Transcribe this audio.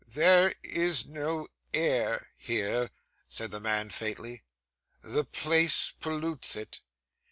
'There is no air here,' said the man faintly. 'The place pollutes it.